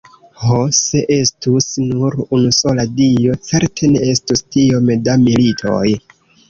Ho, se estus nur unusola Dio, certe ne estus tiom da militoj.